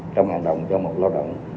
trong hành động cho một lao động